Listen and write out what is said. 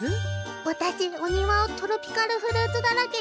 私お庭をトロピカルフルーツだらけにしたいの。